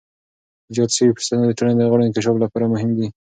ایجاد شوی فرصتونه د ټولنې د غړو انکشاف لپاره مهم دي.